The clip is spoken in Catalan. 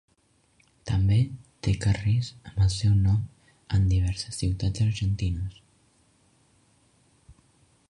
També té carrers amb el seu nom en diverses ciutats argentines.